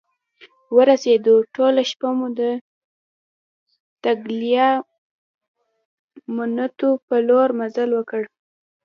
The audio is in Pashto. ورسیدو، ټوله شپه مو د ټګلیامنتو په لور مزل وکړ.